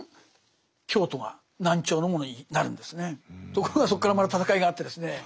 ところがそこからまた戦いがあってですね